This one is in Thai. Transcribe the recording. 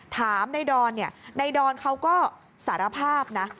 ถามนายดอนนายดอนเขาก็สารภาพนะ